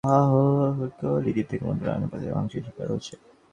আবার এসব পণ্যভর্তি container depot থেকে বন্দরে আনার পথে ভাঙচুরের শিকারও হচ্ছে।